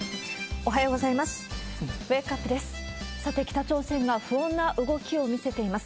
おはようございます。